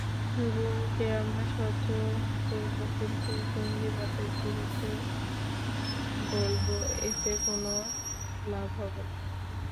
গুমকে আমরা সহ্য করব, কিন্তু জঙ্গিবাদের বিরুদ্ধে বলব—এতে কোনো লাভ হবে না।